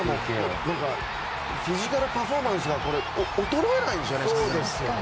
フィジカルパフォーマンスが衰えないんですよね。